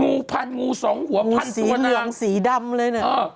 งูพันธุ์งูสองหัวพันธุ์ตัวนาง